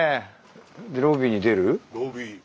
でロビーに出る？